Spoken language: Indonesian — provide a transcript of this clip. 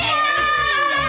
kita di kota